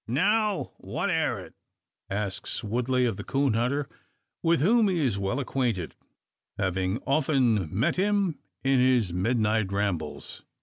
"Now, what air it?" asks Woodley of the coon hunter, with whom he is well acquainted having often met him in his midnight rambles.